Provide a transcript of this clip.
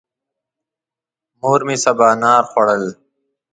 مور مې سبانار خوړل.